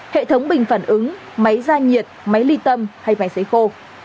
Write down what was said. hệ thống bình phản ứng máy gia nhiệt máy ly tâm hay máy xấy khô